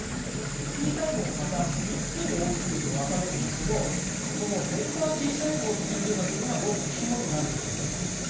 Ｔ細胞もまた３つに大きく言うと分かれるんですがこのヘルパーＴ細胞という部分がどうも肝になるようだぞと。